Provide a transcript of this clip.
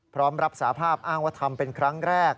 พร้อมรับสาภาพอ้างว่าทำเป็นครั้งแรก